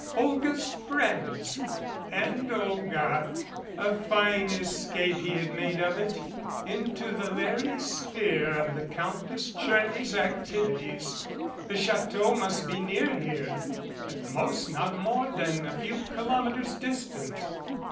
Olga's friends and Olga ! A fine escape he had made of it, into the very sphere of the Countess Tcherny's activities ! The chateau must be near here, at the most not more than a few kilometers distant.